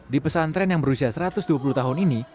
di pesantren yang berusia satu ratus dua puluh tahun ini